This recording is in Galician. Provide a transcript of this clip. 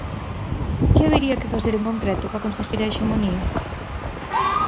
Que habería que facer en concreto para conseguir a hexemonía?